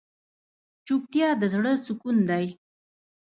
چوپتیا، د زړه سکون دی.